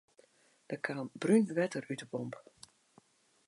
Der kaam brún wetter út de pomp.